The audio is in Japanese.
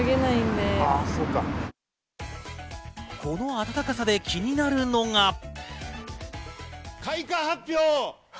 この暖かさで気になるのが。